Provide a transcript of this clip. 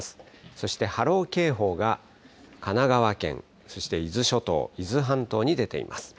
そして波浪警報が神奈川県、そして伊豆諸島、伊豆半島に出ています。